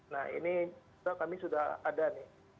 nah ini kami sudah ada nih